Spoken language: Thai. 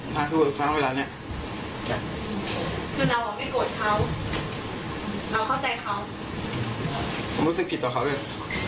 ผมไม่คุยครับผมไม่กล้าเจ้าหน้าเพื่อน